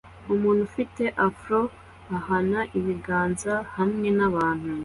Umuntu ufite afro ahana ibiganza hamwe nabantu